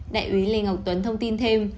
đại úy lê ngọc tuấn thông tin thêm